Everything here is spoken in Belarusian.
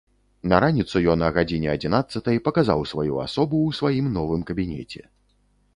На раніцу ён а гадзіне адзінаццатай паказаў сваю асобу ў сваім новым кабінеце.